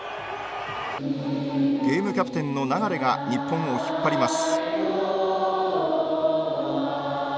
ゲームキャプテンの流が日本を引っ張ります